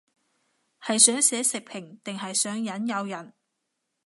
係想寫食評定係想引誘人